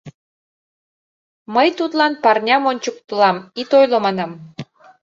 Мый тудлан парням ончыктылам: ит ойло, манам.